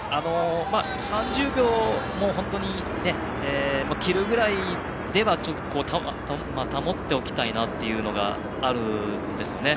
３０秒を切るぐらいでは保っておきたいなというのがあるんですよね。